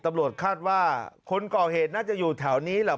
ตำรวจคาดว่าคนก่อเหตุน่าจะอยู่แถวนี้แหละ